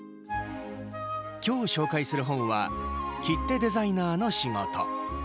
今日紹介する本は「切手デザイナーの仕事」。